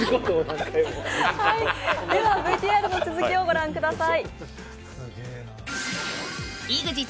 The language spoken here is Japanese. ではＶＴＲの続きを御覧ください。